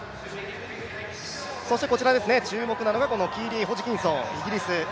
そして注目なのがキーリー・ホジキンソン、イギリス。